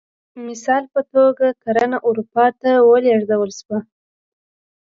د مثال په توګه کرنه اروپا ته ولېږدول شوه